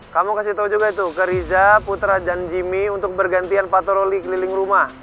kamu kasih tau juga itu ke riza putra dan jimmy untuk bergantian patroli keliling rumah